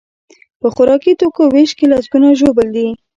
په خوراکي توکیو ویش کې لسکونه ژوبل دي.